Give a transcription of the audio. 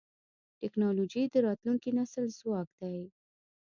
ټکنالوجي د راتلونکي نسل ځواک دی.